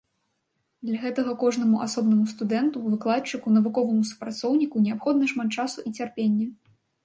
Для гэтага кожнаму асобнаму студэнту, выкладчыку, навуковаму супрацоўніку неабходна шмат часу і цярпення.